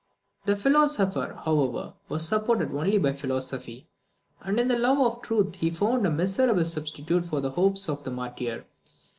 The philosopher, however, was supported only by philosophy; and in the love of truth he found a miserable substitute for the hopes of the martyr.